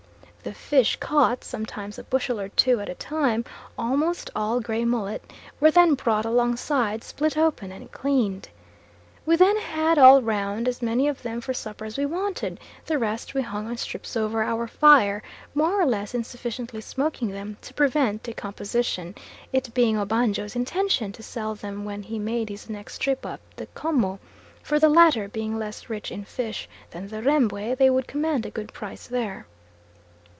The fish caught, sometimes a bushel or two at a time, almost all grey mullet, were then brought alongside, split open, and cleaned. We then had all round as many of them for supper as we wanted, the rest we hung on strings over our fire, more or less insufficiently smoking them to prevent decomposition, it being Obanjo's intention to sell them when he made his next trip up the 'Como; for the latter being less rich in fish than the Rembwe they would command a good price there.